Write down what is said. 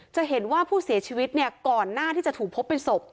จะเห็นว่าผู้เสียชีวิตเนี่ยก่อนหน้าที่จะถูกพบเป็นศพ